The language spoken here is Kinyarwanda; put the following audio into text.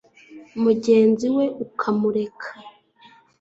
mugenziwe ukamureka